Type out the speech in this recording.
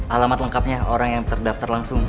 alamat lengkapnya orang yang terdaftar langsung